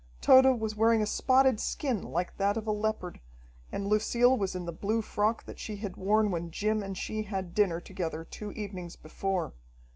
Tode was wearing a spotted skin, like that of a leopard, and Lucille was in the blue frock that she had worn when Jim and she had dinner together two evenings before.